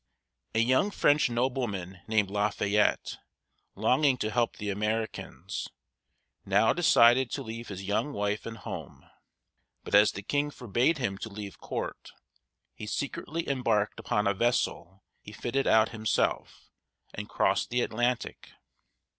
A young French nobleman named La fā yette´, longing to help the Americans, now decided to leave his young wife and home. But as the king forbade him to leave court, he secretly embarked upon a vessel he fitted out himself, and crossed the Atlantic.